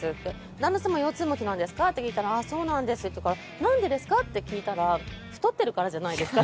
旦那様、腰痛持ちなんですか？って聞いたらああ、そうなんですって言うからなんでですか？って聞いたら太ってるからじゃないですか？